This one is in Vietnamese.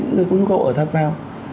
những người có nhu cầu ở tham gia đấu giá